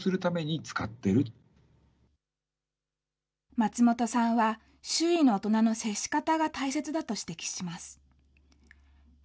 松本さんは、周囲の大人の接し方が大切だと指摘します。